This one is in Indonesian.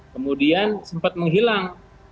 kemudian sempat menghilang